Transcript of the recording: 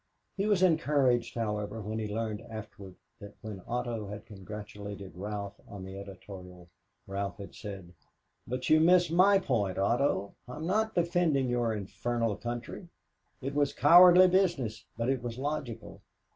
He was encouraged, however, when he learned afterwards that when Otto had congratulated Ralph on the editorial, Ralph had said: "But you miss my point, Otto. I'm not defending your infernal country. It was cowardly business, but it was logical.